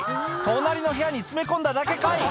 隣の部屋に詰め込んだだけかい！